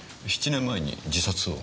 ７年前に自殺を？